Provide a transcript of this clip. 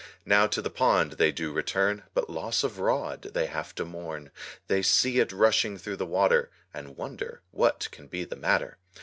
Now to the pond they do return, But loss of rod they have to mourn, They see it rushing through the water, And wonder what can be the matter.